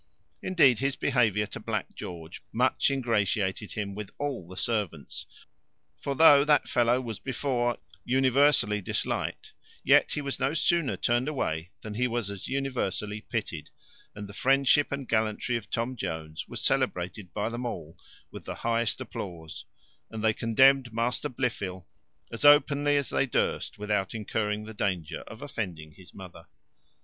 Indeed, his behaviour to Black George much ingratiated him with all the servants; for though that fellow was before universally disliked, yet he was no sooner turned away than he was as universally pitied; and the friendship and gallantry of Tom Jones was celebrated by them all with the highest applause; and they condemned Master Blifil as openly as they durst, without incurring the danger of offending his mother.